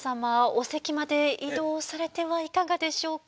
お席まで移動されてはいかがでしょうか。